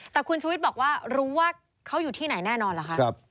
แต่คุณชุวิตบอกว่ารู้ว่าเขาอยู่ที่ไหนแน่นอนเหรอคะ